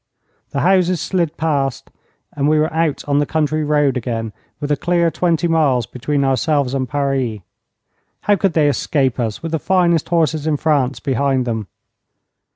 The houses slid past, and we were out on the country road again, with a clear twenty miles between ourselves and Paris. How could they escape us, with the finest horses in France behind them?